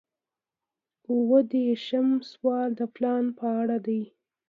اووه دېرشم سوال د پلان په اړه دی.